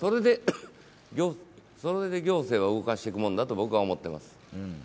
それで行政は動かしていくものだと、僕は思っています。